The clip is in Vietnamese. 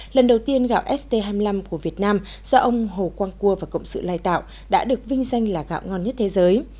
lần đầu tiên gạo st hai mươi năm của việt nam do ông hồ quang cua và cộng sự lai tạo đã được vinh danh là gạo ngon nhất thế giới